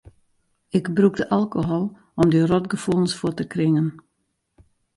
Ik brûkte alkohol om dy rotgefoelens fuort te kringen.